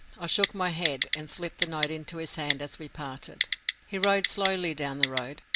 I shook my head and slipped the note into his hand as we parted. He rode slowly down the road.